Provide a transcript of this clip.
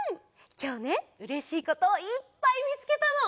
きょうねうれしいこといっぱいみつけたの。